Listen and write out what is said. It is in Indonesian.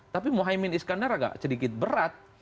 tapi mohaimin iskandar agak sedikit berat